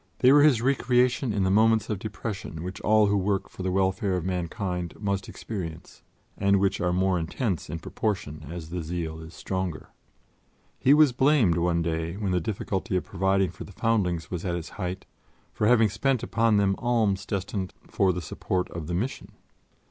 They were his recreation in the moments of depression which all who work for the welfare of mankind must experience and which are more intense in proportion as the zeal is stronger. He was blamed one day, when the difficulty of providing for the foundlings was at its height, for having spent upon them alms destined for the support of the Mission.